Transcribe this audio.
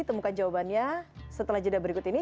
temukan jawabannya setelah jeda berikut ini